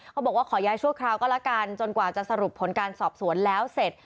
บอกว่าขอย้ายชั่วคราวก็แล้วกันจนกว่าจะสรุปผลการสอบสวนแล้วเสร็จ